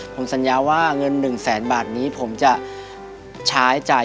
ผมสัญญาว่าเงิน๑แสนบาทนี้ผมจะใช้จ่าย